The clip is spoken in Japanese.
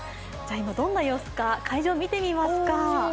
今どんな様子か会場見てみますか。